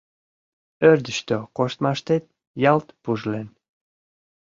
Ӧрдыжтӧ коштмаштет ялт пужлен.